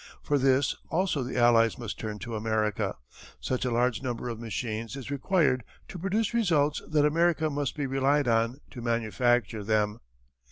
For this also the Allies must turn to America. Such a large number of machines is required to produce results that America must be relied on to manufacture them.